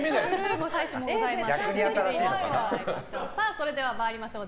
それでは参りましょう。